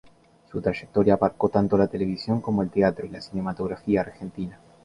Su trayectoria abarcó tanto la televisión como el teatro y la cinematografía argentina.